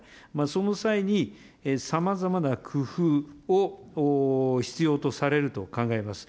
その際にさまざまな工夫を必要とされると考えます。